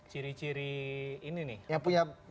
ciri ciri ini nih yang punya